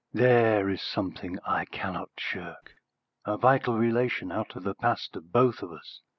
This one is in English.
"There is something I cannot shirk a vital relation out of the past of both of us."